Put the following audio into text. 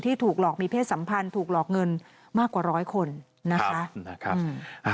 ถูกหลอกมีเพศสัมพันธ์ถูกหลอกเงินมากกว่าร้อยคนนะคะ